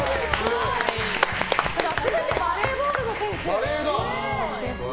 全てバレーボールの選手でした。